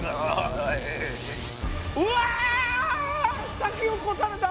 先を越された！